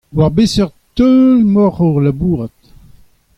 War beseurt teul emaocʼh o labourat ?